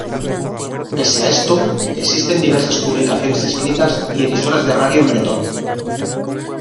Pese a esto, existen diversas publicaciones escritas y emisoras de radio en bretón.